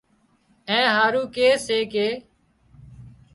اين هارو ڪي سي ڪي